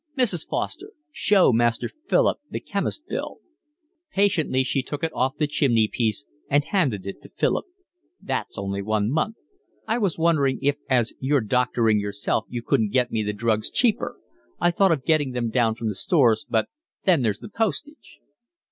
"Mrs. Foster, show Master Philip the chemist's bill." Patiently she took it off the chimney piece and handed it to Philip. "That's only one month. I was wondering if as you're doctoring yourself you couldn't get me the drugs cheaper. I thought of getting them down from the stores, but then there's the postage."